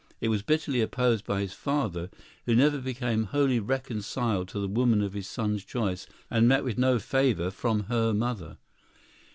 It was bitterly opposed by his father, who never became wholly reconciled to the woman of his son's choice, and met with no favor from her mother.